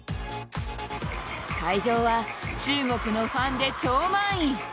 会場は中国のファンで超満員。